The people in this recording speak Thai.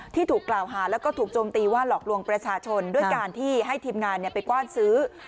ที่ถูกกล่าวหาแล้วก็ถูกโจมตีว่าหลอกลวงประชาชนด้วยการที่ให้ทีมงานไปกว้านซื้อ